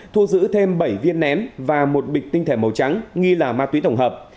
thu giữ thêm bảy viên nén và một bịch tinh thể màu trắng nghi là ma túy tổng hợp